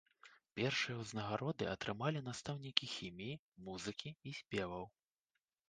Першыя ўзнагароды атрымалі настаўнікі хіміі, музыкі і спеваў.